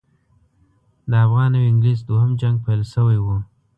د افغان او انګلیس دوهم جنګ پیل شوی وو.